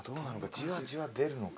じわじわ出るのか。